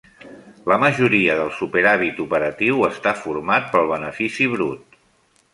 La majoria del superàvit operatiu està format pel benefici brut.